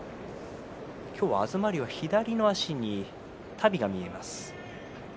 今日は東龍は左の足に足袋が見えます。